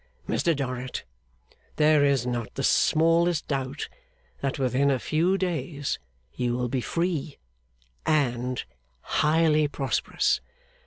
Mr Dorrit, there is not the smallest doubt that within a few days you will be free, and highly prosperous.